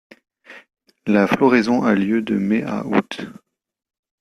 La floraison a lieu de mai à août.